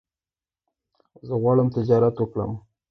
زه غواړم تجارت وکړم